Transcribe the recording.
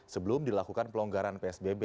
sebelum dilakukan pelonggaran psbb